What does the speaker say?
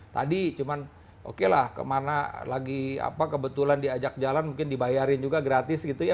tadi cuma oke lah kemana lagi apa kebetulan diajak jalan mungkin dibayarin juga gratis gitu ya